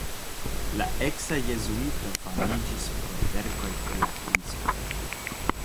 La eksa jezuito famiĝis pro verkoj pri ateismo.